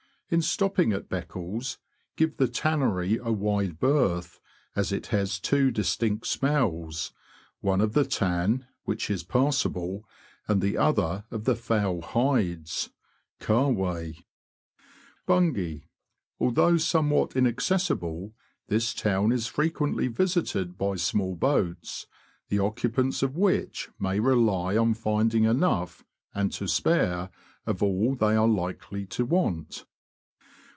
In stopping at Beccles give the tannery a wide berth, as it has 206 THE LAND OF THE BROADS. two distinct smells : one of the tan — which is pass able — and the other of the foul hides. Cave ! Bungay. — Although somewhat inaccessible, this town is frequently visited by small boats, the occupants of which may rely on finding enough, and to spare, of all they are likely to want.